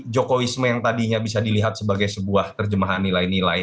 jokowisme yang tadinya bisa dilihat sebagai sebuah terjemahan nilai nilai